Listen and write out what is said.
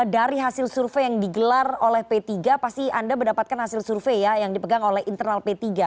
dari hasil survei yang digelar oleh p tiga pasti anda mendapatkan hasil survei ya yang dipegang oleh internal p tiga